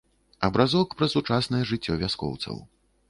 Абразок пра сучаснае жыццё вяскоўцаў.